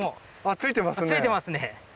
ついてますねえ。